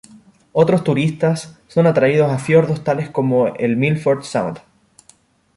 Otros turistas son atraídos a fiordos tales como el Milford Sound.